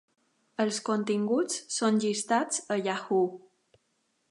Els continguts són llistats a Yahoo!